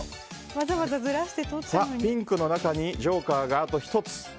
ピンクの中にジョーカーがあと１つ。